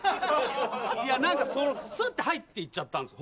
いやなんかそのスッて入って行っちゃったんですよ。